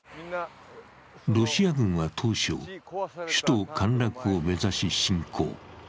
ロシア軍は当初、首都陥落を目指し侵攻。